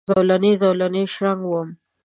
زولنې، زولنې شرنګ وم